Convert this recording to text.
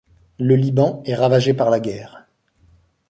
Le Liban est ravagé par la guerre.